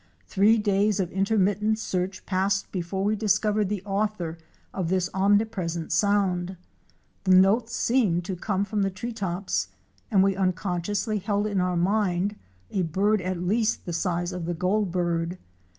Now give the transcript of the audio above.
Three days of intermittent search passed before we discovered the author of this omnipresent sound. The note seemed to come from the tree tops and we uncon sciously held in mind a bird at least the size of the Goldbird.